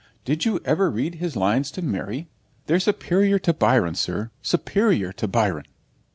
Did you ever read his lines to Mary? They're superior to Byron, sir superior to Byron.'